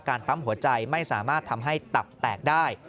ปั๊มหัวใจไม่สามารถทำให้ตับแตกได้